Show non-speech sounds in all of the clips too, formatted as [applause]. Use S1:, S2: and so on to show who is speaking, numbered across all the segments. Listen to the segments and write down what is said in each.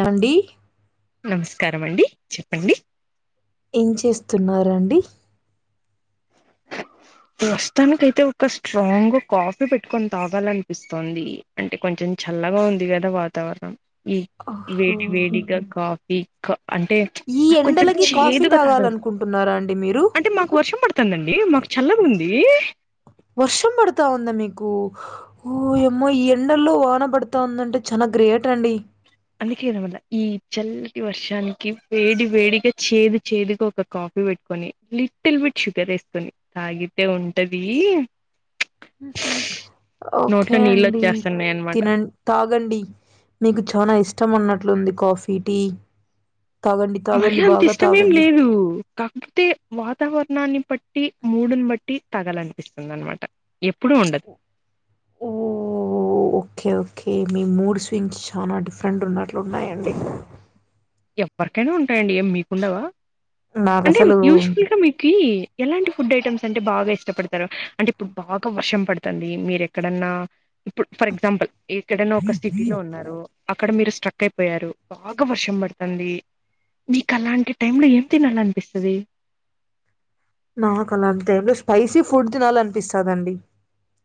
S1: నండి
S2: నమస్కారం అండి చెప్పండి
S1: ఏం చేస్తున్నరండి
S2: ప్రస్తుతానికి అయితే ఒక స్ట్రాంగ్ కాఫీ పెట్టుకొని తావాలనిపిస్తుంది అంటే కొంచెం కొంచమ్ చల్లగా ఉంది కదా వాతావరణం ఈ
S1: ఓహో
S2: వేడి వేడిగా కాఫీ క అంటే
S1: ఈ
S2: నాకు కొంచెం
S1: ఎండలకి కాఫీ
S2: చేదుగా తాగదు
S1: తాగాలనుకుంటున్నారా అండి మీరు
S2: అంటే మాకు వర్షం పడుతు తున్ దండి మాకు చల్లగా ఉంది
S1: వర్షం పడుతా ఉందా మీకు ఓ ఏమో ఈ ఎండల్లో వాన పడతా ఉందంటే చాలా గ్రేట్ అండి
S2: అందుకేనవల్ల ఈ చల్లటి వర్షానికి వేడి వేడిగా చేదు చేదుగా ఒక కాఫ్ పెట్టుకొని లిటిల్ బిట్ షుగర్ ఏసుకొని తాగితే ఉంటది
S1: ఓకే
S2: నోట్లో నీళ్ళు
S1: అండి
S2: వచ్చేస్తున్నాయి అనమాట
S1: తినండి తాగండి మీకు చానా ఇష్టం అన్నట్లుంది కాఫీ టీ తాగండి
S2: మరి
S1: తాగండి
S2: అంత
S1: బాగా
S2: ఇష్టమేం
S1: తాగండి
S2: లేదు కాకపోతే వాతావరణాన్ని బట్ టి మూడుని బట్టి తాగాలనిపిస్తుంది అనమాట ఎప్పుడు ఉండదు
S1: ఓ ఓకే ఓకే మీ మూడ్ స్వింగ్స్ చాలా డిఫరెంట్ ఉన్నట్లు ఉన్నాయండి
S2: ఎవ్వరికైనా ఉంటాయండి ఏం మీకుండవా
S1: నాకు
S2: అంటే
S1: అసలు
S2: యూజువల్ గా మీకు ఎలాంటి ఫుడ్ ఐటమ్స్ అంటే బాగా ఇష్టపడతారు అంటే ఇప్పుడు బాగా వర్షం పడుతుంది మీరు ఎక్కడన్నా ఇప్పుడు ఫర్ ఎగ్జాంపుల్ ఎక్కడైనా ఒక సిటీలో ఉన్నారు అక్కడ మీరు స్ట్రక్ అయిపోయారు బాగా వర్షం పడుతున్ది తుంది మీకు అలాంటి టైమ్ లో ఏం తినాలనిపిస్తుంది
S1: నాకు అలాంటి టైంలో స్పైసీ ఫుడ్ తినాల అనిపిస్తదన్డి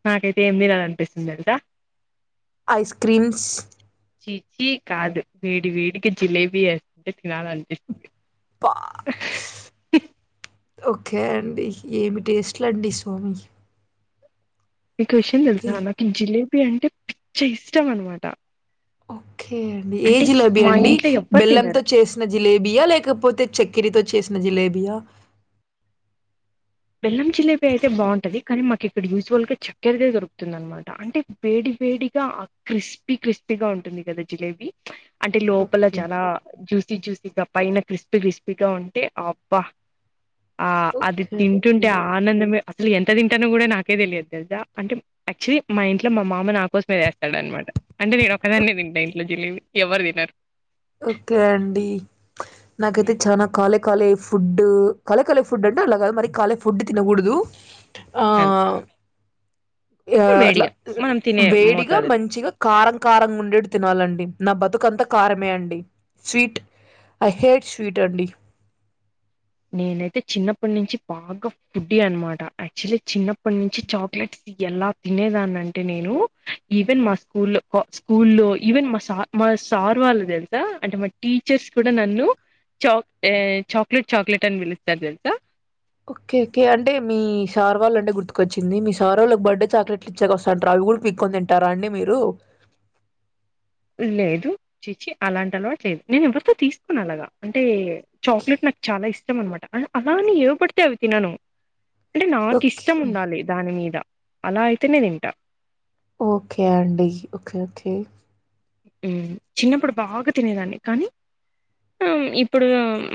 S2: నాకైతే ఏమి తినాల అనిపిస్తుంది తెల్సా
S1: ఐస్ క్రీమ్స్
S2: చీచీ కాదు వేడి వేడికి జిలేబీ వేస్తుంటే తినాలి అనిపిస్తుంది
S1: పా ఓకే అండి ఏమి టేస్ట్లుండి సోమి
S2: మీకు ఒక విషయం తెలుసా నాకు జిలేబీ అంటే పిచ్చ ఇష్టం అనమాట
S1: ఓ ఓకే అండి ఏ
S2: అంటే
S1: జిలేబీ
S2: మా
S1: అండి
S2: ఇంట్లో ఎవ్వరు
S1: బెల్లంతో
S2: తినరు
S1: చేసిన జిలేబియా లేకపోతే చకిరతో చేసిన జిలేబియా
S2: బెల్లం జిలేబి అయితే బాగుంటది కానీ మాకు ఇక్కడ యూజఫుల్ గా చక్కెరదే దొరుకుతుంది అనమాట అంటే వేడి వేడిగా ఆ క్రిస్పీ క్రిస్పీగా ఉంటుంది కదా జిలేబీ అంటే లోపల
S1: ఓకే.
S2: చాలా జూస్ చూసిగా పైన క్రిస్పీ క్రిస్పీగా ఉంటే అబ్బా ఆ అది
S1: ఓకే అండి.
S2: తింటుంటే ఆనందమే అసలు ఎంత తింటాను కూడా నాకే తెలియదు తెదా అంటే యాక్చుల్లీ మా ఇంట్లో మా మామ నా కోసమే వేస్తాడనమాట అంటే నేను ఒకదాన్నే తింటా ఇంట్లో జిలేబి ఎవ్వరు తినరు
S1: ఓకే అండి నాకైతే చానా కాలే కాలే ఫుడ్ కాలే కాలే ఫుడ్ అంటే అలాగా కాద్ మరి కాలే ఫుడ్ తినకూడదు ఆ
S2: అది
S1: ఆ య అట్ల
S2: వేడిగా మనం తినే
S1: వేడిగా
S2: మోతాదు
S1: మంచిగా కారం కారంగా ఉండేట్ తినాలండి నా బతుకంత కారమే అండి స్వీట్ ఐ హేట్ స్వీట్ అండి
S2: నేనైతే చిన్నప్పట్నించి బాగా ఫుడ్డి అన్మాట యాక్చువలి చిన్నప్పట్నుంచి చాక్లెట్స్ ఎలా తినేదాన్నంటే నేను ఈవెన్ మా స్కూల్లో కా స్కూల్లో ఈవెన్ మా సార్ మా మా సార్ వాళ్ళు తెలుసా అంటే మా టీచర్స్ కూడా నన్ను చాక్ ఎ చాక్లెట్ చాక్లెట్ అని పిలుస్తారు తెలుసా
S1: ఓకే ఓకే అంటే మీ సార్ వాళ్ళంటే గుర్తుకొచ్చింది మీ సారోళ్ళకి బర్డే చాక్లెట్లు ఇచ్చెకొస్తాంటరు అవి కూడా పీక్కొని తింటారా అండి మీరు
S2: లేదు ఛీ ఛీ అలాంటి అలవాటు లేదు నేను ఎవరితో తీసుకోను అలాగా అంటే చాక్లెట్ నాక్ చాలా ఇష్టం అనమాట ఆహ అలా అని ఏవి పడితే అవి తినను అంటే
S1: ఓకే
S2: నాకిష్టం ఉండాలే దాని మీద అలా అయితేనే తింటా
S1: ఓకే అండి ఓకే ఓకే
S2: ఉమ్ చిన్నప్పుడు బాగా తినేదాన్ని కానీ ఉమ్ ఇప్పుడు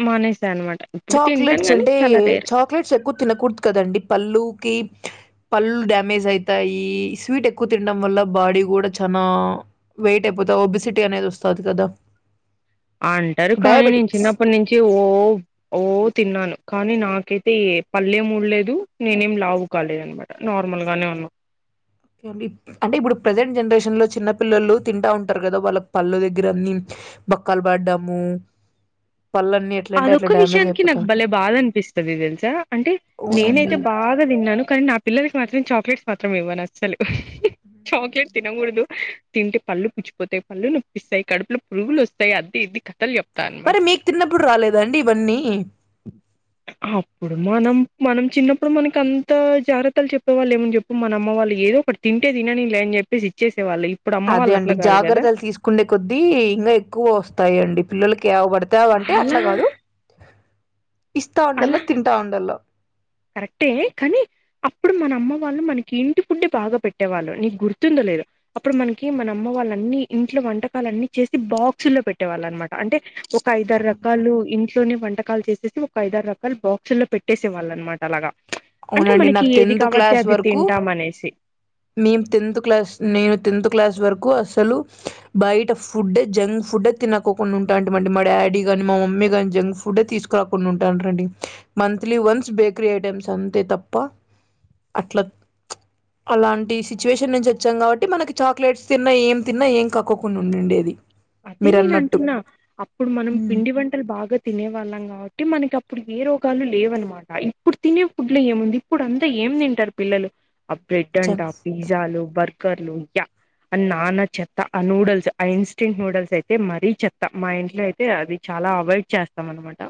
S2: మానేసా అనమాట ఇప్పుడు తింటాను
S1: చాక్లెట్స్
S2: గానీ
S1: అంటే
S2: చాలా రేర్.
S1: చాక్లెట్స్ ఎక్కువ తినకూడదు కదండి పళ్ళు కి పళ్ళు డ్యామేజ్ అయితాయి స్వీట్ ఎక్కువ తినడం వల్ల బాడీ కూడా చానా వెయిట్ అయిపోతావ్ ఒబిసిటీ అనేదోస్తాది కదా
S2: అంటారు కానీ నేను
S1: డయాబెటిక్స్
S2: చిన్నప్పట్నుంచి ఓ ఓ తిన్నాను కానీ నాకైతే ఏ పళ్లేమి ఊడలేదు నేనేమి లావు కాలేదన్నమాట నార్మల్ నార్మల్ గానే ఉన్నా
S1: [inaudible] ఓకే అండి అంటే ఇప్పుడు ప్రెజెంట్ జనరేషన్ లో చిన్న పిల్లలు తింటా ఉంటారు కదా వాళ్ళకి పళ్ళు దగ్గర అన్ని బొక్కల్ పడ్డము పళ్ళన్నీ ఎట్లా అంటే అట్లా
S2: అదొక్క
S1: డ్యామేజ్
S2: విషయానికి
S1: అయిపోతా
S2: నాకు భలే
S1: ఉంటాయి
S2: బాధ అనిపిస్తది తెల్సా అంటే
S1: అవునండి
S2: నేనైతే బాగా తిన్నాను కానీ నా పిల్లలకి మాత్రమే చాక్లెట్స్ మాత్రం ఇవ్వను అస్సలు చాక్లెట్ తిన్ తినకూడుదు తింటే పళ్ళు పుచ్చిపోతాయి పళ్ళు నొప్పిస్తాయి కడుపులో పురుగులోస్తాయి అద్ది ఇద్ది కథలు చెప్తా అనమాట.
S1: మరి మీకు తిన్నప్పుడు రాలేదా అండి ఇవన్నీ
S2: అప్పుడు మనం మనం చిన్నప్పుడు మనకంత జాగ్రత్తలు చెప్పే వాళ్ళెవాళ్ళు చెప్పు మన అమ్మ వాళ్ళు ఏదో ఒకటి తింటే తినని లే అని చేప్పెసి ఇచ్చెసి
S1: అదే అండి జాగ్రత్తలు తీసుకుండే కొద్దీ ఇంగ ఎక్కువ వస్తాయండి పిల్లలకి యావి పడితే యావి అంటే అట్ల
S2: అలా
S1: కాదు ఇస్తా
S2: అలా
S1: ఉండల్లా తింటా ఉండల్లా
S2: కరెక్టే కానీ అప్పుడు మన అమ్మ వాళ్ళు మనకి ఇంటి ఫుడ్డే బాగా పెట్టేవాళ్ళు నీకు గుర్తుందో లేదో అప్పుడు మనకి మన అమ్మ వాళ్ళన్ని ఇంట్లో వంటకాలన్ని చేసి బాక్సుల్లో పెట్టే వాళ్ళన్నమాట అంటే ఒక ఐదారు రకాలు ఇంట్లోనే వంటకాలు చేసేసి ఒక ఐదారు రకాలు బాక్సు ల్లో పెట్టేసే వాళ్ళనమాట అంటే
S1: అవునండి
S2: మనకి
S1: నాకు
S2: ఏది కావడ్తే అది తింటాం అనేసి
S1: మేము టెన్త్ క్లాస్ నేను టెన్త్ క్లాస్ వరకు అసలు బయట ఫుడ్డే జంక్ ఫుడ్డే తినకోకుండా ఉంటాంటిమండి మా డాడీగాని మా మమ్మీ గాని జంక్ ఫుడ్డే తీసుకురాకుండా ఉంటాంటరండి మంత్లీ వన్స్ బేకరీ ఐటెమ్స్ అంతే తప్ప అట్లా చ్ అలాంటి సిచ్యువేషన్ నుంచి వచ్చాం కాబట్టి మనకి చాక్లెట్స్ తిన్నా ఏం తిన్నా ఏం కాకోకుండా ఉండుండేది
S2: అదే నేనంటున్నా అప్పుడు మనం పిండి వంటలు బాగా తినే వాళ్ళం కాబట్టి మనకి అప్పుడు ఏ రోగ్ ఏ రోగాలు లేవన్నమాట ఇప్పుడు తినే ఫుడ్లో ఏముంది ఇప్పుడు అంతా ఏం తింటారు పిల్లలు ఆ బ్రెడ్ అంట
S1: జంక్
S2: ఆ పిజ్జాలు బర్గ్ బర్గర్లు యాక్ ఆ నానా చెత్త ఆ నూడుల్స్ ఇన్స్ ఇన్స్టంట్ నూడిల్స్ అయితే మరీ చెత్తా మా ఇంట్లో అయితే అది చాలా అవాయిడ్ చేస్తాం అనమాట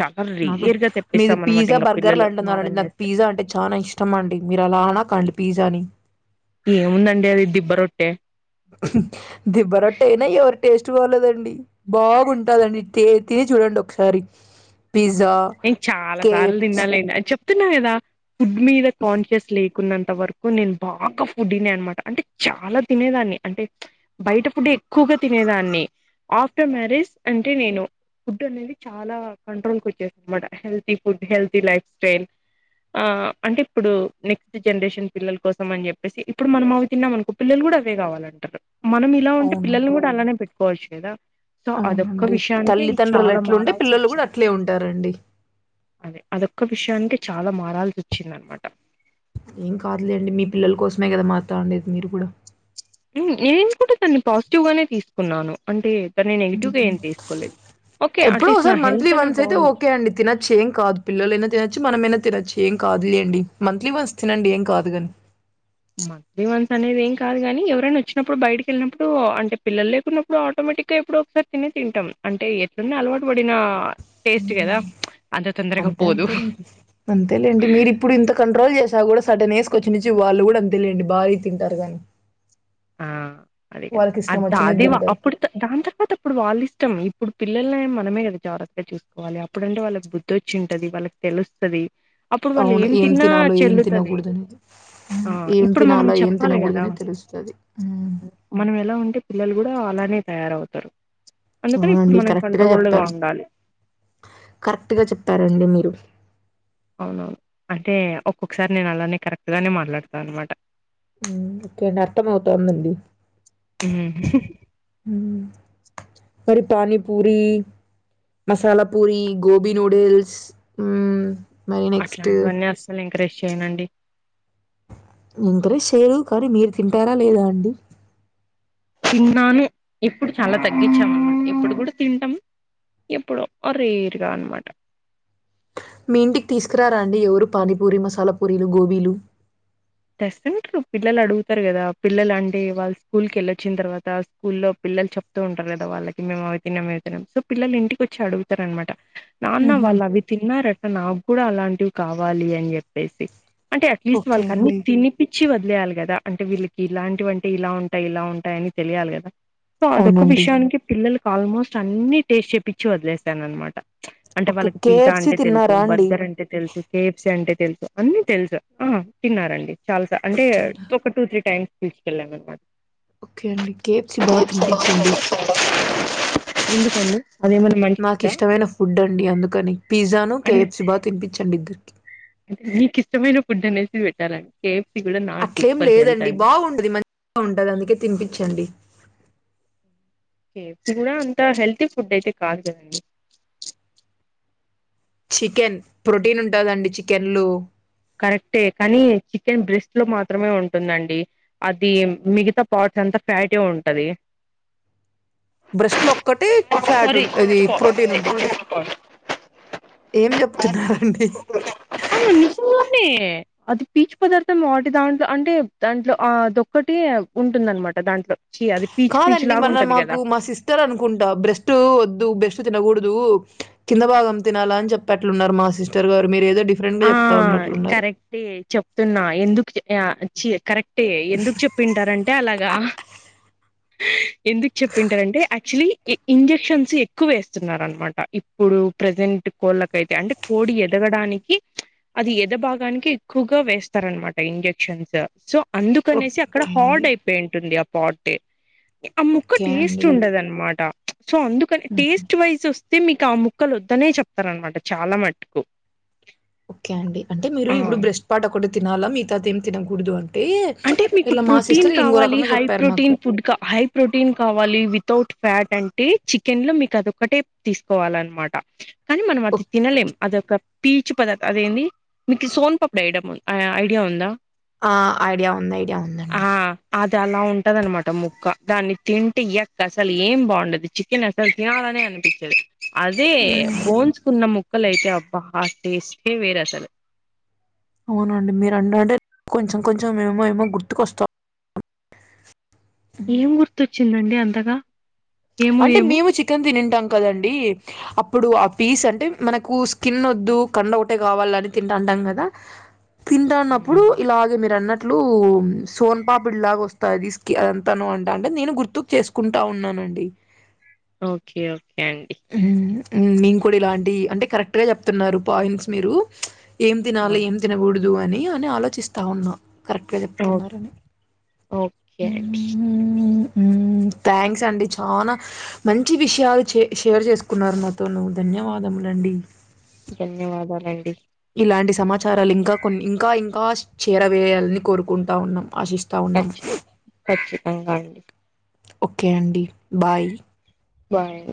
S2: చాలా
S1: నాకు
S2: రేర్ గా
S1: మీది
S2: తెప్పిస్తాం అనమాట
S1: పిజ్జా
S2: ఇంకా
S1: బర్గర్లు
S2: పిల్లలు
S1: అంటున్నారండి
S2: మారం
S1: నాకు
S2: చేస్తే
S1: పిజ్జా అంటే చానా ఇష్టం అండి మీరు అలా అనకండి పిజ్జాని
S2: ఏముందండి అది దిబ్బ రొట్టె
S1: దిబ్బ రొట్టె అయినా ఎవరు టేస్ట్ వల్లదండి బాగుంటాదండి టే తిని చూడండి ఒకసారి పిజ్జా
S2: నేను చాలా సార్లు
S1: కేఎఫ్
S2: తిన్నాలెండి చెప్తున్నా కదా ఫుడ్ మీద కాన్షియస్ లే న్నంత వరకు నేను బాగా ఫుడ్ తిన అనమాట అంటే చాలా తినేదాన్ని అంటే బయట ఫుడ్ ఎక్కువగా తినే దాన్ని ఆఫ్టర్ మ్యారేజ్ అంటే నేను ఫుడ్ అనేది చాలా కంట్రోల్ కు వచ్చేను మాట healthy food healthy lifestyle ఆ అంటే ఇప్పుడు నెక్స్ట్ జనరేషన్ పిల్లల కోసం అని చెప్పేసి ఇప్పుడు మనం అవి తిన్నాం అనుకో పిల్లలు అవే కావాలంటారు మనం ఇలా ఉంటే పిల్లల్ని
S1: అవునండి
S2: కూడా అలానే పెట్టుకోవచ్చు కదా సో అదొక్క
S1: అవునండి
S2: విషయానికి
S1: తల్లిదండ్రులు
S2: చాలా
S1: ఎట్లుంటే
S2: మారాల్సి
S1: పిల్లలు కూడా
S2: వచ్చింది
S1: అట్లే ఉంటారండి
S2: అదే అదొక్క విషయానికి చాలా మారాల్సి వచ్చిందనమాట
S1: ఏం కాదులేండి మీ పిల్లల కోసమే కదా మాతో అండేది మీరు కూడా
S2: నేను కూడా తన్ని పాజిటివ్ గానే తీసుకున్నాను అంటే తాన్ని నెగిటివ్గా ఏం
S1: హ్మ్.
S2: తీసుకోలేదు ఓకే
S1: ఎప్పుడో
S2: అట్లీస్ట్ నా
S1: ఒకసారి మంత్లీ
S2: హెల్త్ అన్నా
S1: వన్స్ అయితే
S2: బాగుంది
S1: ఓకే అండి తినొచ్చు ఏం కాదు పిల్లలైనా తినచ్చు మనమైనా తినొచ్చు ఏం కాదులేండి మంత్లీ వన్స్ తినండి ఏం కాదు కాని
S2: మంత్లీ వన్స్ అనేది ఏం కాదు కాగానీ ఎవరైనా వచ్చినప్పుడు బయటకి వెళ్ళినప్పుడు అంటే పిల్లలు లేకున్నప్పుడు ఆటోమే టిక్ ఇప్పటిక ఎప్పుడో ఒకసారి తిని తింటాం అంటే ఎట్లున్న అలవాటు పడిన టేస్ట్ కదా
S1: కాని
S2: అంత తొందరగా
S1: అంతే
S2: పోదు
S1: అంతే అంతేలేండి మీరు ఇప్పుడు ఇంత కంట్రోల్ చేసా కూడా సాటర్న్ ఏజ్ వచ్చించి వాళ్ళు కూడా అంతేలెండి భారీ తింటారు గానీ
S2: ఆ అదే కరెక్ట్ అ అదే
S1: తింటారు
S2: అప్పుడు దాని తర్వాత అప్పుడు వాళ్ళ ఇష్టం ఇప్పుడు పిల్లల మనమే కద జాగ్రత్తగా చూసుకోవాలి అప్పుడు అంటే వాళ్ళ బుద్ధి వచ్చి ఉంటది వాళ్ళకి తెలుస్తుంది అప్పుడు వాళ్ళు
S1: అవును
S2: ఏం తిన్నా
S1: తినాలో ఏం
S2: చెల్లుతుంది
S1: తినకూడదని
S2: ఆ
S1: హ్మ్. ఏం
S2: ఇప్పుడు మనం
S1: తినాలా ఏం
S2: చెప్పాలి కదా
S1: తినకూడదని తెలుస్తది హ్మ్.
S2: మనం ఎలా ఉంటే పిల్లలు కూడా అలానే తయారవుతారు
S1: ఆ
S2: అందుకని ఇప్పుడు
S1: అండి
S2: మనం
S1: కరెక్ట్గా
S2: కంట్రోల్డ్ గా
S1: చెప్పారు
S2: ఉండాలి
S1: కరెక్ట్గా చెప్పారండి మీరు
S2: అవునవును అంటే ఒక్కొక్కసారి నేను అలానే కరెక్ట్గానే మాట్లాడతాను అనమాట
S1: ఓకే అండి అర్థం అవుతాందండి
S2: ఆ
S1: మరి పనీపూరి మసాలా పూరి గోబి నూడిల్స్ మరి నెక్స్ట్
S2: అట్లాంటివన్నీ అస్సలు ఎంకరేజ్ చేయనండి
S1: అందరూ చేయారు కానీ మీరు తింటారా లేదా అండి
S2: తిన్నాను ఇప్పుడు చాలా తగ్గించాము ఇప్పుడు కూడా తింటాము ఎప్పుడో రేరుగా అన్నమాట
S1: మీ ఇంటికి తీసుకురారండి ఎవరు పానీపూరి మసాలా పూరీలు గోబీలు
S2: తెస్తుంటారు పిల్లలు అడుగుతారు కదా పిల్లలు అంటే వాళ్ళ స్కూల్ క వెళ్ళిచ్చిన తర్వాత స్కూల్లో పిల్లలు చెప్త ఉంటారు కాద వాళ్ళకి మేము అవి తిన్నం ఇవి తిన్నాం సో పిల్లలు ఇంటికిచ్చ అడుగుతార అనమాట నాన్న
S1: ఉహు
S2: వాళ్ళు అవి తిన్నారట నాకు కూడా అలాంటివి కావాలి అని చెప్పేసి అంటే అట్లీస్ట్
S1: ఓకే
S2: వాళ్ళకి అన్ని
S1: అండి
S2: ఇపిచ్చి వదిలేయాలి కదా అంటే వీళ్ళకి ఇలాంటివంటే ఇలా ఉంటాయి ఇలా ఉంటాయి అని తెలియాలి కదా సో అదొక్క
S1: అవునండి
S2: విషయానికి పిల్లలకి ఆల్మోస్ట్ అన్ని టేస్ట్ చెప్పించి వదిలేసాను అనమాట అంటే
S1: ఓకే
S2: వాళ్ళకి పిజ్జా
S1: కేఎఫ్సి
S2: అంటే తెలుసు
S1: తిన్నారా అండి
S2: బర్గర్ అంటే తెలుసు కేఎఫ్సి అంటే తెలుసు అన్ని తెలుసు తిన్నారండి చాలాస అంటే
S1: తిన్నా
S2: ఒక టూ త్రీ టైమ్స్ తీసుకెళ్లనన్నమాట
S1: ఓకే అండి కేఎఫ్సి బాగా తినిపించండి
S2: ఎందుకు అండి
S1: నాకు ఇష్టమైన ఫుడ్ అండి అందుకని పిజ్జాను కేఎఫ్సి బాగా తినిపించండి
S2: నీకు ఇష్టమైన ఫుడ్ అనేసి పెట్టాలంకే
S1: అట్లేం లేదండి బాగుంటది మంచిగా ఉంటది అందుకే తినిపించండి
S2: ఏం తిన్నా అంతా హెల్తీ ఫుట్ అయితే కాదు కదండి
S1: చికెన్ ప్రొటీన్ ఉంటాదండి చికెన్ లో
S2: కరెక్టే కానీ చికెన్ బ్రెస్ట్ లో మాత్రమే ఉంటుందండి అది మిగతా పాట్స్ అంత్ అంత ఫ్యాటె ఉంటది
S1: బ్రెస్ట్ లో ఒక్కటి ఫ్యాట్
S2: సారీ
S1: ఉంటది అది ప్రోటీన్ ఉంటది ఏం చెప్తున్నారండి
S2: అవును [unintelligible] అది పీచు పదార్థం వాటి దాంట్లో అంటే దాంట్లో ఆ దొక్కటి ఉంటుందన్ ఉంటుంది అనమాట దాంట్లో ఛీ అది పీచు పీచు
S1: కాదండి
S2: లాగా
S1: మన్నా
S2: ఉంటది గదా!
S1: మాకు మా సిస్టర్ అనుకుంటా బ్రెస్ట్ వద్దు బెస్ట్ ట్ తినకూడదు కింద భాగం తినాల అని చెప్పెట్లున్నారు మా సిస్టర్ గారు మీరు ఏదో డిఫరెంట్ గా
S2: ఆ
S1: చెప్తా ఉన్నట్లున్నారు
S2: కరెక్ట్ ఏ చెప్తున్నా ఎందుకు ఆ చి కరెక్ట్ అంటే ఎందుకు చెప్పింటారంటే అలాగా హా ఎందుకు చెప్పింటారంటె యాక్చువలీ ఇంజెక్షన్స్ ఎక్కువ వేస్తున్నారు అనమాట ఇప్పుడు ప్రజెంట్ కోళ్ళకైతే అంటే కోడి ఎదగ్ గడానికి అది ఎదభాగానికి ఎక్కువగా వేస్తారనమాట ఇంజక్షన్స్ సో అందుకనేసి అక్కడ
S1: ఓకే
S2: హాడ్ అయిపోయి ఉంటుంది ఆ పాట్ ఆ ముక్క
S1: ఓకే
S2: టేస్ట్
S1: అండి
S2: ఉండదనమాట ఉచ్ సో అందుకని
S1: హ్మ్.
S2: టేస్ట్ వైజ్ చూస్తు తే మీకు ఆ ముక్కలు వద్దనే చెప్తారనమాట చాలా మట్టుకు
S1: ఓకే అండి అంటే మీరు
S2: ఆ
S1: ఇప్పుడు బ్రెస్ట్ పాట్ ఒకక్కటిే తినాలా మిగితవేం తినకూదు అన్
S2: అంటే మీకు ప్రోటీన్ కావాలి
S1: రకంగా
S2: హై
S1: చెప్పారు మాకు
S2: ప్రోటీన్ ఫుడ్ హై ప్రోటీన్ కావాలి వితౌట్ ఫ్యాట్ అంటే చికెన్ లో మీకు అదొక్కటే తీసుకోవాలన్నమాట కానీ మనం
S1: ఓ-
S2: అది తినలేం అదన్తా పీచు పదార్థ అదేంది మీకు సోన్పప్పుడి ఐడ్ ఐడియా ఉందా
S1: ఆ ఐడియా ఉంది ఐడియా ఉందండి
S2: ఆలా ఉంటది అనమాట ముక్క దాన్ని తింటే యాక్ అసలు ఏం బాగుండదు చికెన్ అసలు తినాలనే అనిపించ్ అనిపించదు అదే
S1: హ్మ్.
S2: బోన్స్ కున్న ముక్ క్కలయితే అబ్బా ఆ టెస్ట్ ఏ వేర్ అసలు
S1: అవునండి మీరంటంటే కొంచెం కొంచెం ఏమో ఏమో గుర్తుకొస్తా హ్మ్.
S2: ఏం గుర్తొచ్చిందండి అంతగా ఏమో
S1: అంటే
S2: ఏమో
S1: మేము చికెన్ తినిన్ టాం కదండి అప్పుడు ఆ పీస్ అంటే మనకు స్కిన్ వద్దు కండ ఒకటే కావాల అని తింటా టాంటం కదా
S2: హ్మ్.
S1: తింటన్నప్పుడు ఇలాగే మీరు అన్నట్టు ట్లు సోన్పాపిడి లాగా వస్తది స్కిన్ అంతను అంట అంటే నేను గుర్తుకు చేసుకుంటా ఉన్నానండి
S2: ఓకే ఓకే అండి
S1: ఉమ్ మేం కూడా ఇలాంటి అంటే కరెక్ట్గా చెప్తున్నారు పాయింట్స్ మీరు ఉచ్ ఏం తినాలి
S2: అవును
S1: ఏం తినకూడదు దు అని అని ఆలోచిస్తావున్నా కరెక్ట్గా
S2: ఓ
S1: చెప్తున్నారని
S2: ఓకే అండి
S1: ఉమ్ థ్యాంక్స్ అండి చానా మంచి విషయాలు చే షేర్ చేసుకున్నారు నాతోను ధన్యవాదములండి
S2: ధన్యవాదాలండి
S1: ఇలాంటి సమాచారాలు ఇంకా కొన్ని ఇంకా ఇంకా చేరవేయాలని కోరుకుంటా ఉన్నాం ఆశిస్తా ఉన్నాం
S2: ఖచ్చి ఖచ్చితంగా అండి
S1: ఓకే అండి బాయ్
S2: బాయ్